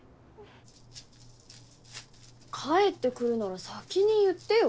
帰ってくるなら先に言ってよ。